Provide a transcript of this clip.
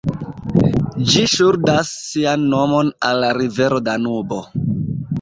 Ĝi ŝuldas sian nomon al la rivero Danubo.